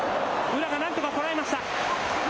宇良がなんとかこらえました。